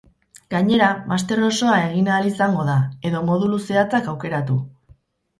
Gainera, master osoa egin ahal izango da, edo modulu zehatzak aukeratu.